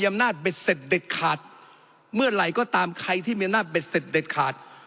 อำนาจเบ็ดเสร็จเด็ดขาดเมื่อไหร่ก็ตามใครที่มีอำนาจเบ็ดเสร็จเด็ดขาด